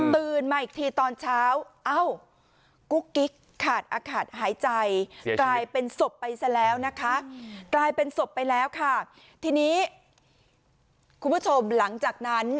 มาอีกทีตอนเช้าเอ้ากุ๊กกิ๊กขาดอากาศหายใจกลายเป็นศพไปซะแล้วนะคะกลายเป็นศพไปแล้วค่ะทีนี้คุณผู้ชมหลังจากนั้น